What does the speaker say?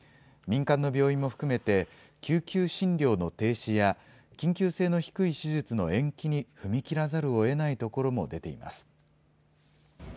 民間の病院も含めて、救急診療の停止や、緊急性の低い手術の延期に踏み切らざるをえないところも出ています。